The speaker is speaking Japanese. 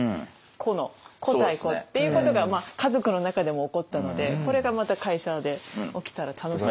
個の個対個っていうことが家族の中でも起こったのでこれがまた会社で起きたら楽しいですよね。